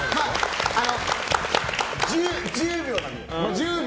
１０秒なんで。